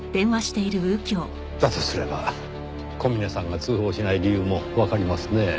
だとすれば小峰さんが通報しない理由もわかりますねぇ。